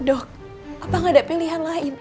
dok apakah gak ada pilihan lain